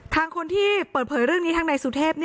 คนที่เปิดเผยเรื่องนี้ทางนายสุเทพ